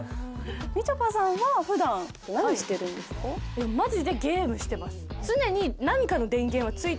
みちょぱさんは普段何してるんですか？